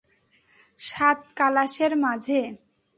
সাত কালাশের মাঝে।